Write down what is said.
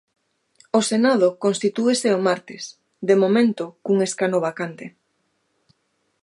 O Senado constitúese o martes, de momento cun escano vacante.